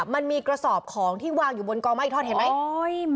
มันมีกระสอบของที่วางอยู่บนกองไม้อีกท่อนเห็นไหม